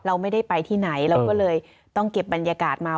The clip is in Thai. เราไม่ได้ไปที่ไหนเราก็เลยต้องเก็บบรรยากาศมา